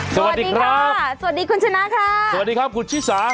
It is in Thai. สวัสดีค่ะสวัสดีคุณชนะค่ะสวัสดีครับคุณชิสา